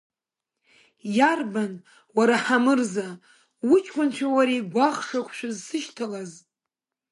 Иарбан, уара Ҳамырза, уҷкәынцәеи уареи гәаӷшақә шәызсышьҭалаз!